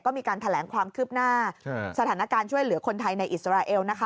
ก็มีการแถลงความคืบหน้าสถานการณ์ช่วยเหลือคนไทยในอิสราเอลนะคะ